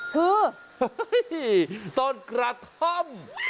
เฮ่ยต้นกระท่อม